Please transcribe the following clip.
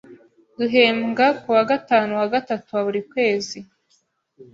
Duhembwa kuwa gatanu wa gatatu wa buri kwezi.